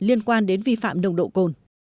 liên quan đến vi phạm đồng độ cồn